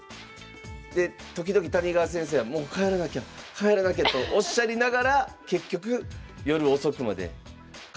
で時々谷川先生は「もう帰らなきゃ帰らなきゃ」とおっしゃりながら結局夜遅くまでカジノにいたそうです。